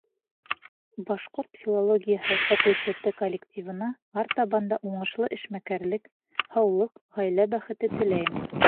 Башҡорт филологияһы факультеты коллективына артабан да уңышлы эшмәкәрлек, һаулыҡ, ғаилә бәхете теләйем.